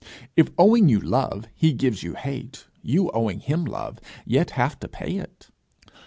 If, owing you love, he gives you hate, you, owing him love, have yet to pay it.